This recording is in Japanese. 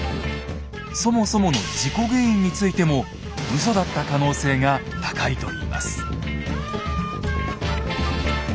そもそもの事故原因についてもウソだった可能性が高いといいます。